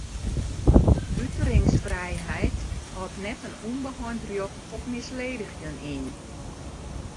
Uteringsfrijheid hâldt net in ûnbeheind rjocht op misledigjen yn.